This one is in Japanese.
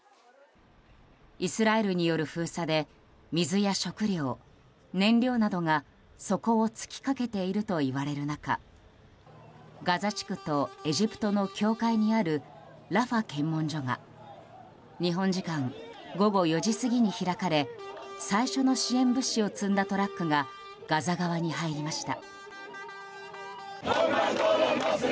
イスラエルによる封鎖で水や食料、燃料などが底をつきかけているといわれる中ガザ地区とエジプトの境界にあるラファ検問所が日本時間午後４時過ぎに開かれ最初の支援物資を積んだトラックがガザ側に入りました。